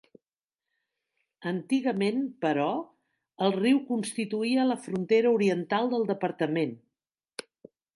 Antigament, però, el riu constituïa la frontera oriental del departament.